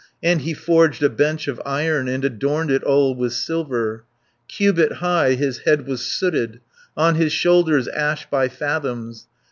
And he forged a bench of iron, And adorned it all with silver. Cubit high his head was sooted, On his shoulders ash by fathoms.